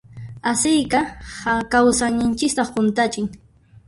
Asiyqa kawsayninchista hunt'achin.